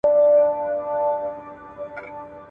بد هلک بیرته بدیو ته ولاړ سي !.